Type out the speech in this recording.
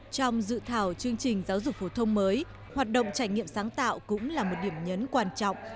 trong dự thảo chương trình giáo dục phổ thông mới hoạt động trải nghiệm sáng tạo cũng là một điểm nhấn quan trọng